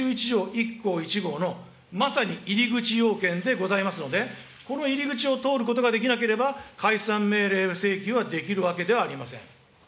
１項１号のまさに入り口要件でございますので、この入り口を通ることができなければ、解散命令請求はできるわけではありません。